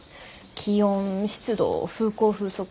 気温湿度風向風速。